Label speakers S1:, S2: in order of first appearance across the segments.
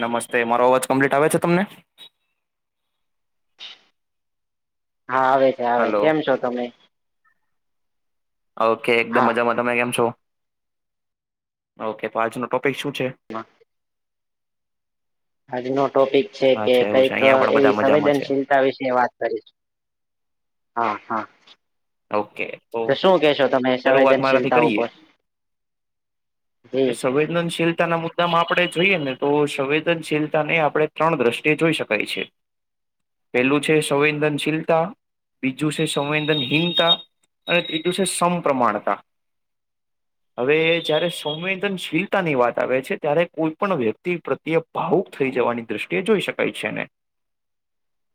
S1: નમસ્તે મારો અવાજ કમ્પ્લીટ આવે છે, તમને
S2: હા આવે છે, આવે છે,
S1: હલો
S2: કેમ છો. તમે
S1: ઓકે એકદમ
S2: હા
S1: મજામાં તમે કેમ છો, ઓકે તો આજનો ટોપિક શું છે.
S2: હા [inaudible] આજ ન ટોપિક છે કે
S1: અચ્છા એવું છે
S2: કઈક
S1: અહિયાં પણ બધા
S2: એવી
S1: મજામાં છે
S2: સંવેદનશીલ તા વિશે વાત કરીશું હા હા તો શું કેશો તમે
S1: શરૂઆત મારાથી
S2: સંવેદનશીલતા ઉપર જી
S1: તે સંવેદનશીલતાના મુ એકદમ આપણે જોઈએ નેતો સંવેદનશીલતા ને આપણે ત્રણ દ્રષ્ટિએ જોઈ શકાય છે. પહેલું છે સંવેદનશીલતા બીજું છે સંવેદની હીનતા અને ત્રીજું છે સમપ્રમાણતા
S2: [inaudible]
S1: હવે જયારે સંવેદનશીલતાની વાત આવે છે ત્યારે કોઈ પણ વ્યક્તિ પ્રત્ય ભાવુક થઈ જવાની દ્રષ્ટિએ જોઈ શકાય છે એને
S2: [inaudible]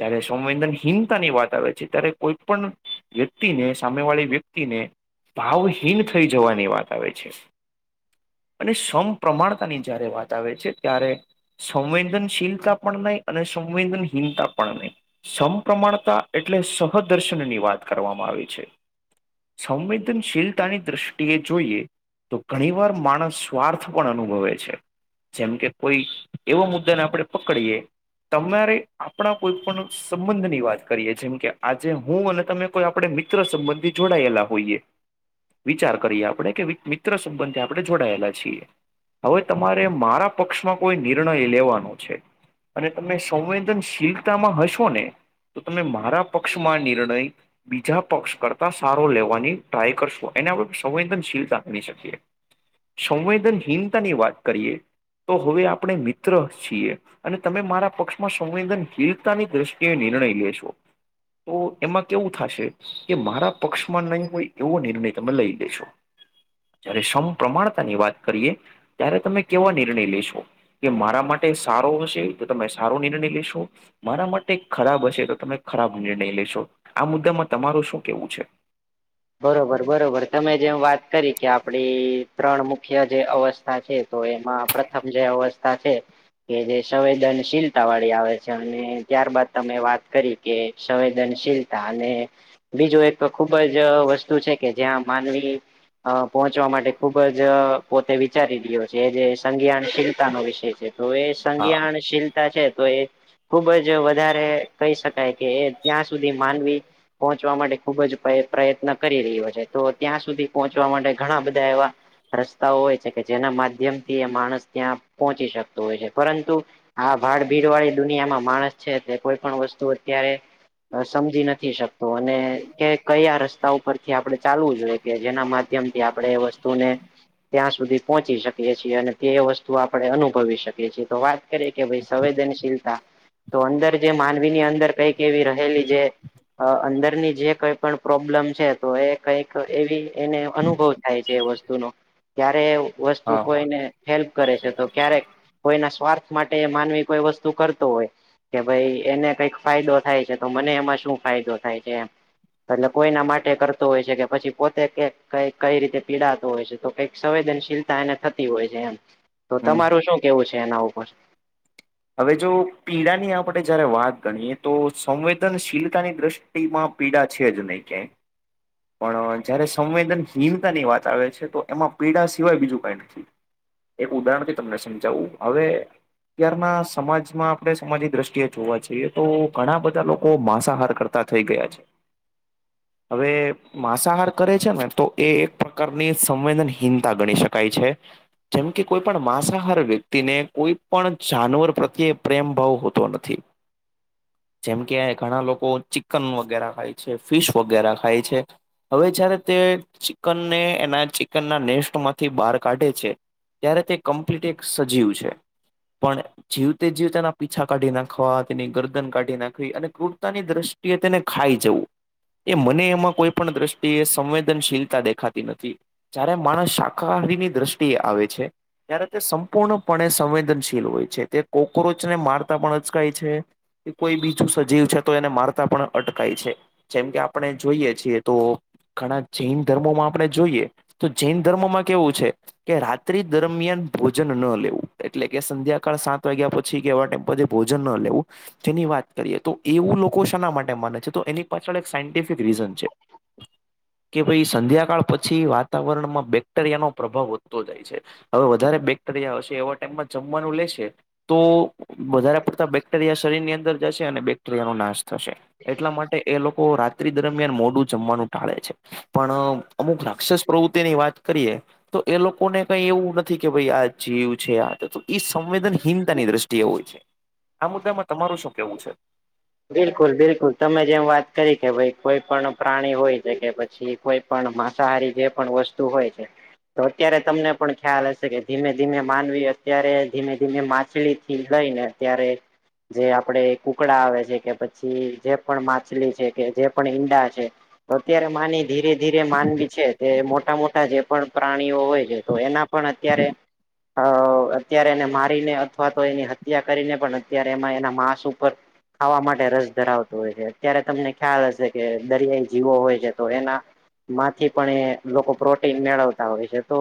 S1: જયારે સંવેદનહિંતાની વાત આવે છે ત્યારે કોઈ પણ વ્યક્તિને સામે વાળી વ્યક્તિને ભાવહીન થઈ જવાની વાત આવે છે. અને સમપ્રમાણતાની જ્યારે વાત આવે છે ત્યારે સંવેદનશીલતા પણ નહી અને સંવેદનહીંતા પણ નહી. સમપ્રમાણતા એટલે સહદર્શનની વાત કરવામાં આવી છે. સંવેદનશીલતાની દ્રષ્ટિએ જોઈએ તો ઘણી વાર માણસ સ્વાર્થ પણ અનુભવે છે. જેમ કે કોઈ એવો મુદ્દાને આપણેે પકડીએ તમારે આપણા કોઈ પણ સંબંધ ની વાત કરીએ જેમ કે આજે હું અને તમે પણ આપડે મિત્ર સંબંધી જોડાયેલા હોઈએ વિચાર કરીએ આપણે કે મી મિત્ર સંબંધે આપણે જોડાયેલા છીએ હવે તમારે મારા પક્ષમાં કોઈ નિર્ણય લેવાનો છે. અને તમે સંવેદનશીલતામાં હશો ને તો તમે મારા પક્ષમાં નિર્ણય બીજા પક્ષ કરતા સારો લેવાની ટ્રાય કરશું એને આપણે સંવેદનશીલતા કઈ શકીએ સંવેદનહીનતાની વાત કરીએ તો હવે આપણે મિત્ર છીએ અને તમે મારા પક્ષમાં સંવેદનશીલતાની દ્રષ્ટિએ નિર્ણય લેેશો તો એમાં કેવું, થાશે કે મારા પક્ષમાં નહીં હોય એવો નિર્ણય તમે લઈ લેેશો જ્યારે સમપ્રમાણતાની વાત કરીએ ત્યારે તમે કેવા નિર્ણય લેશો કે મારા માટે સારો હશે તો તમે સારો નિર્ણય લેશો. મારા માટે ખરાબ હશે તો તમે ખરાબ નિર્ણય લેશો આ મુદ્દામાં તમારું શું કેવું છે.
S2: બરોબર બરોબર તમે જેમ વાત કરી કે આપડી ત્રણ મુખ્ય જે અવસ્થા છે. તો એમાં પ્રથમ જે અવસ્થા છે. કે જે સંવેદનશીલતા વાળી આવે છે અને ત્યારબાદ તમે વાત કરી કે સંવેદનશીલતા અને બીજું એક ખુબ જ જ વસ્તુ છે કે જ્યાં માનવી અ પહોંચવા માટે ખુબ જ પોતે વિચારી રહ્યો છે એ જે સંજ્ઞાનશીલતાનો વિષય તો એ
S1: હા
S2: સંજ્ઞાનશીલતા છે તો એ ખુબ જ વધારે કહી શકાય કે એ ત્યાં સુધી માનવી પહોંચવા માટે ખુબ જ પ્રયત પ્રયત્ન કરી રહ્યો છે તો ત્યાં સુધી પહોંચવા માટે ઘણા બધા એવા રસ્તાઓ હોય છે કે જેના માધ્યમ થી એ માણસ ત્યાં પહોંચી શકતો હોય છે પરંતુ આ ભાડ ભીડ વાળી દુનિયામાં માણસ છે તે કોઈ પણ વસ્તુ અત્યારે હ સમજી નથી શકતો અને કે કયા ર રસ્તા ઉપરથી આપણે ચાલવું જોઈએ કે જેના માધ્યમથી આપણે એ વસ્તુને ત્યાં સુધી પહોંચી શકીએ છીએ અને તે વસ્તુ આપણે અનુભવી શકે છીએ તો વાત કે રે ભઈ સંવેદનશીલતા તો અંદર જે માનવી ની અંદર કઈક એવી રહેલી જે અ અંદરની જે કઈ પણ પ્રોબ પ્રોબ્લમ છે તો એ કઈક એવી એને અનુભવ થાય છે એ વસ્તુનોો કય્યારે વસ્તુ
S1: હા હા
S2: કોઈ ને હેલ્પ કરે છે તો ક્યારેક કોઈના સ્વાર્થ માટે માનવી કોઈ વસ્તુ કરતો હોય કે ભાઈ એને કઈક ફાયદો થાય છે તો મને એમાં શું ફાયદો થાય છે એ કોઈના માટે કરતો હોય છે કે પછી પોતે કઈ રીતે પીડાતો હોય છે તો કઈક સંવેદનશીલતા એને થતી હોય છે એમ તો
S1: હમ
S2: તમારું શું કેવું છે એના ઉપર
S1: હવે જો પીડાની આપણે જયારે વાત ગણીએ તો સંવેદનશીલતાની દ્રષ્ટિ માં પીડા છે જ નહીિ ક પણ જયારે સંવેદનહીનતાની વાત આવે છે તો એમાં પીડા સિવાય બીજું કઈ નથી એક ઉદાહરણ થી તમને સમજાવવું હવે અત્યારના સમાજમાં આપણે સમાજ દ્રષ્ટિએ જોવા છઈએ તો ઘણા બધા લોકો માંસાહાર કરતા થઈ ગયા છે
S2: [inaudible]
S1: હવે માંસાહાર કરે છે ને તો એ એક પ્રકારની સંવેદનહીનતા ગણી શકાય છે જેમ કે કોઈ પણણ માંસાહાર વ્યક્તિને કોઈ પણ જાનવર પ્રત્યે પ્રેમ ભાવ હોતો નથી
S2: [inaudible]
S1: જેમકે ઘણા લોકો ચિકન વગેરે ખાય છે ફિશ વગેરે ખાય છે હવે જયારે તે ચિકનને એના ચિકનના નેસ્ટમાંથી બહાર કાઢે છે ત્યારે તે કમ્પ્લીટ એક સજીવ છે પણ જીવતે જીવ તેના પીછા કાઢી નાખવા તેની ગરદન કાઢી નાખવી અને ક્રૂરતાની દ્રષ્ટિ તેને ખાઈ જવું એ મને એમાં કોઈ પણ દ્રષ્ટિએ સંવેદનશીલતા દેખાતી નથી જારે માણસ શાકાહારીની દ્રષ્ટિએ આવે છે ત્યારે તે સંપૂર્ણપણે સંવેદનશીલ હોય છે તે કોક્રોચને મારતા પણ અચકાય છે કોઈ બીજું સજીવ છે તો એને મારતા પણ અટકાય છે જેમ કે આપણે જોઈએ છીએ તો ઘણા જૈન ધર્મોમાં આપણે જોઈએ તો જૈન ધર્મોમાં કેવું છે કે રાતિ દરમિયાન ભોજન ન લેવું એટલે કે સંધ્યાકાળ સાત વાગ્યા પછી કેવામ્ પ ભોજન ન લેવું જેની વાત કરીએ તો એવું લોકો શના માટે માને છે તો એની પાછળ એક સાયન્ટિફિક રીઝન છે કે ભાઈ સંધ્યાકાળ પછી વાતાવરણમાં બેક્ટેરિયાનોો પ્રભાવ વધતો જાય છે હવે વધારે બેક્ટેરિયા હશે એવા ટાઈમમાં જમવાનું લેશે તો વધારે પડતા બેક્ટેરિયા શરીરની અંદર જશે અને િયા ન નાશ થશે એટલા માટે એ લોકો રાત્રિ દરમિયાન મોડું જમવાનું ટાળે છે પણ અમુક રાક્ષસ પ્રવૃત્તિની વાત કરીએ. તો એ લોકોને કઈ એવું નથી કે ભઈ આ જીવછે આ બધું એ સંવેદનતાની દ્રષ્ટિએ હોય છે આ મુદ્દામાં તમાર શું કેવું છે.
S2: બિલકુલ બિલકુલ તમે જેમ વાત કરી કે ભાઈ કોઈ પણ પ્રાણી હોય છે, કે પછી કોઈ પણ માંસાહારી જે પણ વસ્તુ હોય છે તો અત્યારે તમને પણ ખ્યાલ હશે કે ધીમે ધીમે માનવી અત્યારે ધીમે ધીમે માછલી થી લઈ ને ત્યારે જે આપડે કુકડા આવે છે કે પછી જે પણ માછલી છે કે જે પણ ઈંડા છે અત્યારે માની ધીરે ધીરે માનવી છે તે મોટા મોટા જે પણ પ્રાણીઓ હોય છે તો એના પણ અત્યારે અ અત્યારે એને મારીને અથવા તો એની હત્યા કરીને પણ અત્યારે એમાં એના માંસ ઉપર ખાવા માટે રસ ધરાવતો હોય છે અત્યારે તમને ખ્યાલ હશે કે દરિયાઈ જીવો હોય છે, તો એના માંથી પણ એ લોકો પ્રોટીન મેળવતા હોય છે, તો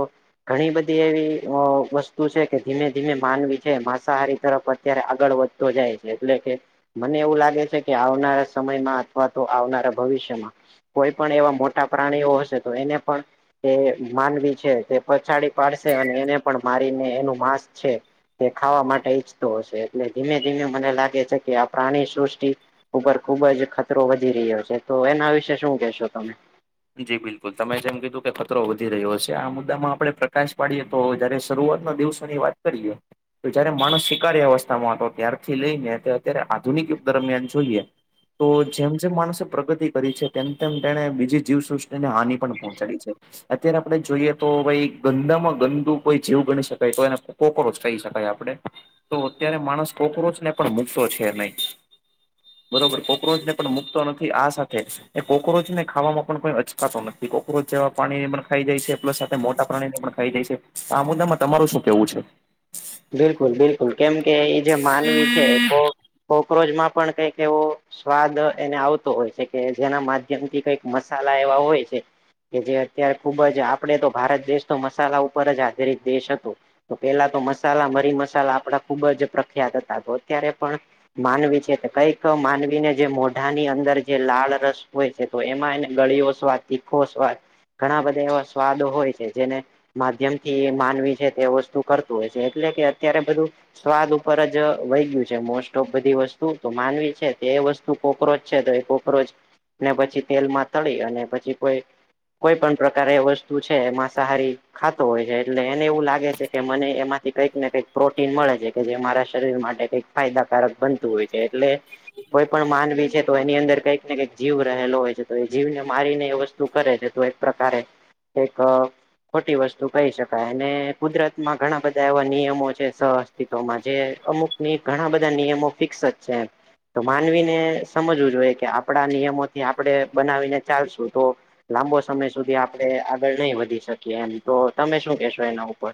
S2: ઘણી બધી એવી વસ્તુ છે, કે ધીમે ધીમે માનવી છે માંસાહારી તરફ અ્યારે આગળ વધતો જાય છે, એટલે કે મને એવું લાગે છે, કે આવનારા સમયમાં અથવા તો આવનારા ભવિષ્યમાં કોઈ પણ એવા મોટા પ્રાણીઓ હશે તો એને પણ એ માનવી છે, તે પછાડી પાડશે અને એને પણ મારીને એનું માંસ છે. તે ખાવા માટે ઈચ્છતો હશે એટલે ધીમે ધીમે મને લાગે છે, કે આપ પ્રાણી સૃષ્ટિ ઉપર ખુબ જ ખતરો વધી રહ્યો છે, તો એના વિશે શું કેહેશો તમે
S1: જી બિલકુલ તમે જેમ કીધું કે ખતરો વધી રહ્યો હશે આ મુદ્દામાં આપડે પ્રકાશ પાડીએ તો જયારે શરૂઆત ના દિવસ ની વાત કરીએ તો જયારે માણસ શિકારી અવસ્થામાં હતો ત્યારથી લઈને તે અત્યારે આધુનિક યુગ દરમિયાન જોઈએ. તો જેમ જેમ માણસે પ્રગતિ કરી છે, તેમ તેમ તેને બીજી જીવસૃષ્ટિને હાનિ પણ પહોંચાડી છે. અત્યારે આપડે જોઈએ તો ભાઈ ગંદામાં ગંદુ કોઈ જીવ ગણી શકાય તોયને કોક્રોચ કહી શકાય આપણે તો અત્યારે માણસ કોક્રોચને પણ મુકયો છે, નહી. બરોબર કોક્રોચ ને પણ મુકતો નથી આ સાથે એ કોક્રોચ ને ખાવામાં પણ કોઈ અચકાતો નથી કોક્રોચ જેવા પ્રાણી ને પણ ખાઈ જાય છે પ્લસ સાથે મોટા પ્રાણીને પણ ખાઈ જાય છે. આ મુદ્દા માં તમારું શું કેવું છે.
S2: બિલકુલ બિલકુલ કેમ કે એ જે માનવી છે તો કોક્રોચમાં પણ કઈક એવું સ્વાદ એને આવતો હોય છે કે જેના માધ્યમ થી કઈક મસાલા એવા હોય છે. કે જે અત્યારે ખુબ જ આપણેે તો ભારત દેશ તો મસાલા ઉપર જ આધારિત દેશ હતો. તો પેલા તો મસાલા મરી મસાલા આપડા ખુબ જ પ્રખ્યાત હતા તો અત્યારે પણ માનવી છે કઈક માનવીને જે મોઢાની અંદર જે લાળરસ હોય છે. તો એમાં એને ગળીયો સ્વાદ તીખો સ્વાદ ઘણા બધા એવા સ્વાદો હોય છે જેને માધ્યમ થી માનવી છે તે વસ્તુ કરતું હોય છે. એટલે કે અત્યારે બધું સ્વાદ ઉપર જ વહી ગયું છે મોસ્ટ ઓફ બધી વસ્તુ તો માનવી છે, તે વસ્તુ ઈ કોક્રોચ છે તો એ કોક્રોચ ને પછી તેલમાં તળી અને પછી કોઈ કોઈ પણ પ્રકારે વસ્તુ છે માંસાહારી ખાતો હોય છે, એટલે એને એવું લાગે છે કે મને એમાં કંઈક ને કંઈક પ્રોટીન મળે છે કે જે મારા શરીર માટે કઈક ફાયદાકારક બનતું હોય છે, એટલે કોઈ પણ માનવી છે તો એની અંદર કંઈક ને કંઈક જીવ રહેલો હોય છે તો એ જીવને મારીને એ વસ્તુ કરે છે તો પ્રકારે એક ખોટી વસ્તુ કહી શકાય અને કુદરત માં ઘણા બધા [unintelligible] એવા નિયમો છે, સહઅસ્તિત્વમાં જે અમુક ઘણા બધા નિયમો ફિક્સ જ છે. તો માનવીને સમજવું જોઈએ કે આપડા નિયમોથી આપણે બનાવીને ચાલશું તો લાંબો સમય સુધી આપણે આગળ નહી વધી શકીએ એમ તો તમે શું કેશો એના ઉપર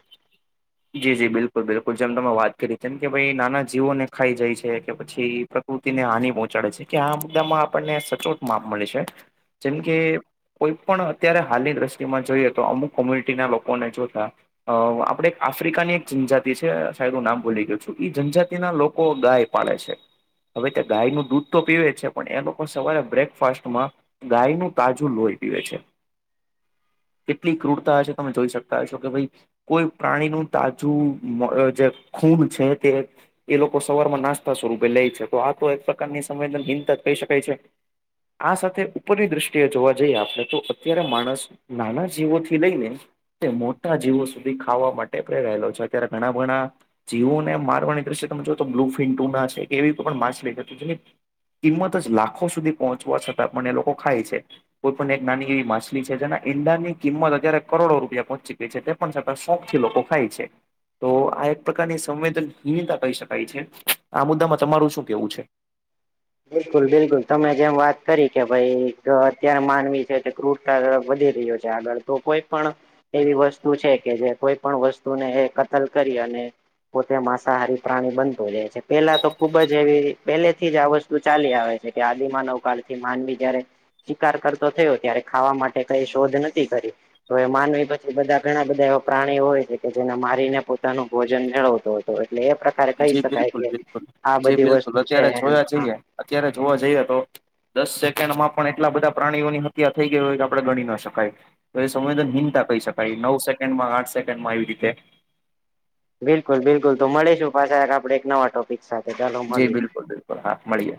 S1: જી જી બિલકુલ બિલકુલ જેમ તમે વાત કરી તેમમ કે ભાઈ નાના જીવોને ખાઈ જાય છે, કે પછી પ્રકૃતિને હાનિ પહોંચાડે છે, કે આ મુદ્દામાં આપણને સચોટ માપ મળે છે જેમ કે કોઈ પણ અત્યારે હાલની દ્રષ્ટિમાં જોઈએ, તો અમુક કોમ્યુનિટીના લોકોને જોતા અ આપણે એક આફ્રિકાની એક જનજાતિ છે સાહેબ હું નામ બોલી ગયોું છું જનજાતિના લોકો ગાય પાળે છે હવે તે ગાય નું દૂધ તો પીવે છે પણ એ લોકો સવારે બ્રેકફાસ્ટમાં ગાય નું તાજુ લોહી પીવે છે. કેટલી ક્રૂરતા હશે, તમે જોઈ શકતા હશો કે ભઈ કોઈ પ્રાણીનું તાજું મળે જે ખૂન છે, તે એ લોકો સવારમાં નાસ્તા સ્વરૂપે લે છે તો આ તો એક પ્રકારની સંવેદન હિનતા જ કહી શકાય છે. આ સાથે ઉપરની દ્રષ્ટિએ જોવા જઈએ આપણે તો અત્યારે માણસ નાના જીવો થી લઈને તે મોટા જીવો સુધી ખાવા માટે પ્રેરાયલો છે અત્યારે ઘણા ઘણા જીવોને મારવાની દ્રશ્ય તમે જો તો બ્લુફિન ટુના છે કે એવી કો પણ માછલી જે કિંમત જ લાખો સુધી પહોંચવા છતાં પણ એ લોકો ખાય છે. કોઈ પણ એક નાની એવી માછલી છે જેના ઈંડાની કિંમત અત્યારે કરોડો રૂપિયા પહોંચી ગઇ છે. તે પણ છતાં શોખ થી લોકો ખાય છે. તો આ એક પ્રકારની સંવેદનહિનતા કહી શકાય છે આ મુદ્દામાં તમારું શું કેવું છે.
S2: બિલકુલ બિલકુલ તમે જેમ વાત કરી કે ભાઈ અત્યારે માનવી છે કે ક્રુટ વધી રહ્યો છે આગળ તો કોઈ પણ એવી વસ્તુ છે કે જે કોઈ પણ વસ્તુને એ કતલ કરી અને પોતે માંસાહારી પ્રાણી બનતો જાય છે પેલા તો ખુબ જ એવી પહેલે થી જ આવ વસ્ ું ચાલી આવે છે કે આદિમા નવકાળ થી માનવી જયારે શિકાર કરતો થયો ત્યારે ખાવા માટે કઈ શોધ નથી કરી તો એ માનવી પછી બધા ઘણા બધા એવા પ્રાણીઓ હોય છે કે જેને મારીને પોતાનું ભોજન મેળવતો હોય છે. તો એટલે એ પ્રકારે કહી
S1: જી
S2: શકાય
S1: બિલકુલ
S2: કે
S1: બિલકુલ
S2: આ
S1: જી
S2: બધી
S1: બિલકુલ
S2: વસ્તુ છે.
S1: અત્યારે જોયા
S2: હા
S1: અત્યારે જોવા જઈએ તો દસે પણ એટલા બધા પ્રાણીઓ ની હત્યા થઈ ગઈ હોય તો આપણે ગણી ન શકાય તો એ સંવેદન હિનતા કહી શકાય નવ સેકન્ડમાં આઠ સેકન્ડ માં આવી રીતે
S2: બિલકુલ બિલકુલ તો મળીશું પાછાઆપડે એક નવા ટોપિક રિક્ા જ [unintelligible]
S1: જી બિલકુલ બિલકુલ હા મળીએ